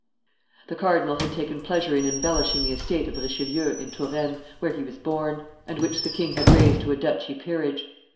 The cardinal had taken pleasure in embellishing the estate of Richelieu, in Touraine, where he was born, and which the king had raised to a duchy peerage.